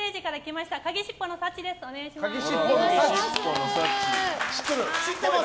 お願いします。